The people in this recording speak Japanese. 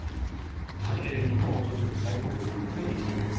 日本を訪れる外国人が増えてきています。